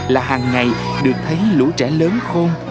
là hàng ngày được thấy lũ trẻ lớn khôn